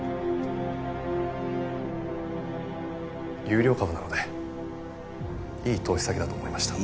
優良株なのでいい投資先だと思いました。